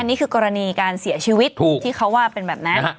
นี่คือกรณีการเสียชีวิตที่เขาว่าเป็นแบบนั้น